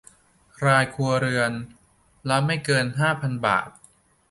รายครัวเรือนละไม่เกินห้าพันบาท